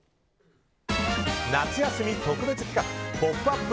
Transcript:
夏休み特別企画「ポップＵＰ！」